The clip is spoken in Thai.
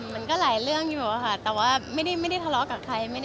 มันก็หลายเรื่องอยู่ค่ะแต่ว่าไม่ได้ทะเลาะกับใคร